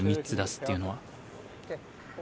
３つ出すっていうのは。